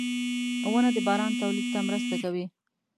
• ونه د باران تولید ته مرسته کوي.